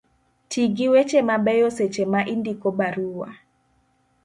ti gi weche mabeyo seche ma indiko barua